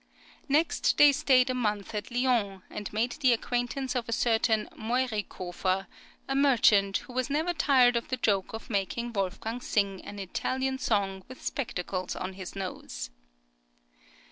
Next they stayed a month at Lyons, and made the acquaintance of a certain Meurikofer, a merchant, who was never tired of the joke of making Wolfgang sing an Italian song with spectacles on his nose.